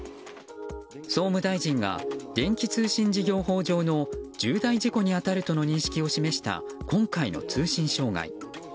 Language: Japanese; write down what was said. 総務大臣が電気通信事業法上の重大事故に当たるとの認識を示した今回の通信障害。